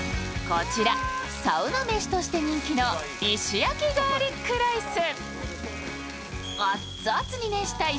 こちら、サウナ飯として人気の石焼きガーリックライス。